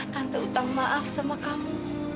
tante utang maaf sama kamu